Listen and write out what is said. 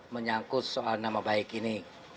menyangkut soal nama baik ini